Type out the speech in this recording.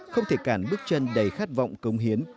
không thể cản bước chân đầy khát vọng cống hiến